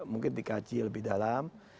mungkin dikaji lebih dalam